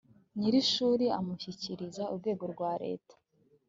nyir ishuri amushyikiriza urwego rwa leta